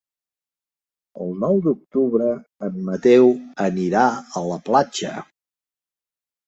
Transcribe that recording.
El nou d'octubre en Mateu anirà a la platja.